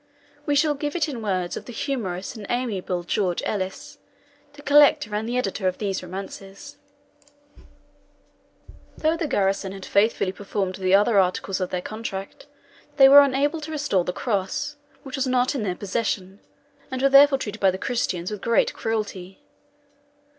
We shall give it in the words of the humorous and amiable George Ellis, the collector and the editor of these Romances: "Though the garrison had faithfully performed the other articles of their contract, they were unable to restore the cross, which was not in their possession, and were therefore treated by the Christians with great cruelty.